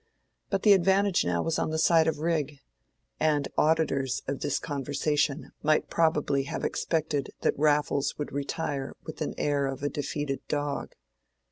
But the advantage now was on the side of Rigg, and auditors of this conversation might probably have expected that Raffles would retire with the air of a defeated dog.